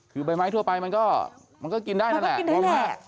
คือใบไม้ทั่วไปกินได้มันก็กินได้แหละ